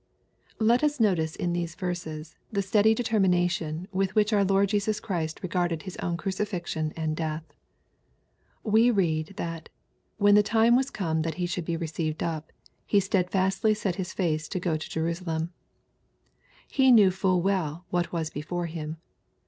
382 EXPOSITORY THOUaHTS. Let ufl notice in these verses^ the steady determtnation with which our Lord Jesus Christ regarded His own crucifixion and death. We road that " when the time was come that He should be received up, He steadfastly set His face to go to Jerusalem/' He knew full well what was before Him.